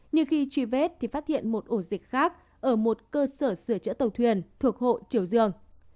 nhưng khi truy vết thì phát hiện một ổ dịch khác ở một cơ sở sửa chữa tàu thuyền thuộc hộ triều dương